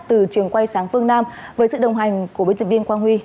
từ trường quay sáng phương nam với sự đồng hành của biên tập viên quang huy